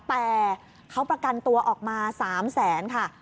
แต่เขาประกันตัวออกมา๓แสนค่ะ